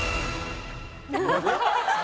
ハハハハ！